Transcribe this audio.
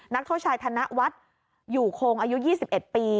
นักโทษชายธนวัฒน์อยู่โคงอายุ๒๑ปี